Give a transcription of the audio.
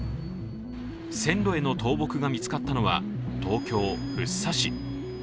線路への倒木が見つかったのは東京・福生市。